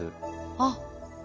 あっ。